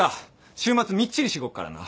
週末みっちりしごくからな。